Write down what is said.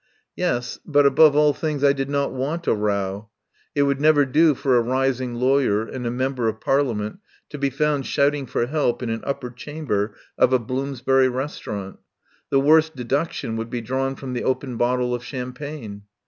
Yes, but above all things I did not want a row. It would never do for a rising lawyer and a Member of Parliament to be found shouting for help in an upper chamber of a Bloomsbury restaurant. The worst deduction would be drawn from the open bottle of cham pagne.